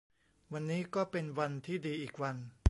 วันนี้ก็เป็นวันที่ดีอีกวัน